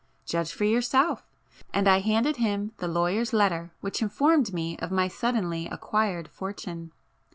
"Judge for yourself!" And I handed him the lawyer's letter which informed me of my suddenly acquired fortune.